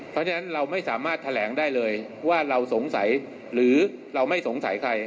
เพราะฉะนั้นเราไม่สามารถแถลงได้เลยว่าเราสงสัยหรือเราไม่สงสัยใคร